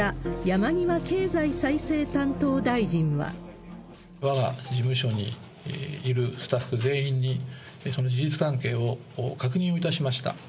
山わが事務所にいるスタッフ全員に、その事実関係を確認をいたしました。